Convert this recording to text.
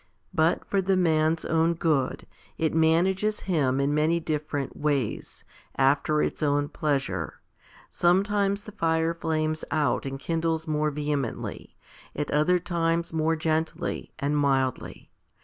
But, for the man's own good, it manages him in many 1 Isa. Ixii. 5, 65 66 FIFTY SPIRITUAL HOMILIES different ways, after its own pleasure. Sometimes the fire flames out and kindles more vehemently; at other times more gently and mildly.